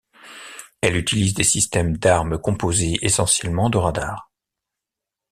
Elle utilise des systèmes d'armes composés essentiellement de radars.